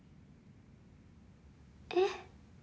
えっ？